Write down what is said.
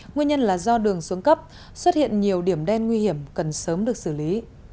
nguyên nhân là do đường xuống cấp xuất hiện nhiều điểm đen nguy hiểm cần sớm được xử lý